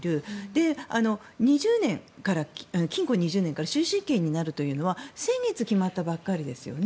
で、禁錮２０年から終身刑になるというのは先月決まったばかりですよね。